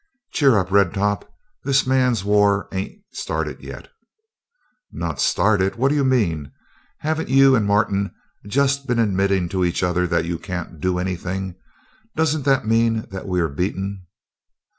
"Cheer up, Red Top! This man's war ain't started yet!" "Not started? What do you mean? Haven't you and Martin just been admitting to each other that you can't do anything? Doesn't that mean that we are beaten?"